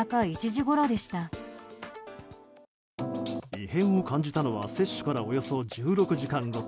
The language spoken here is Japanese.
異変を感じたのは接種からおよそ１６時間後。